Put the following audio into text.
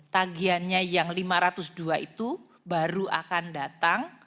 tagihannya yang lima ratus dua itu baru akan datang